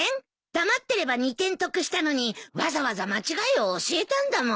黙ってれば２点得したのにわざわざ間違えを教えたんだもん。